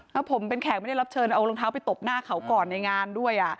ถ้าผมเป็นแขกไม่ได้รับเชิญเอารองเท้าไปตบหน้าเขาก่อนในงานด้วย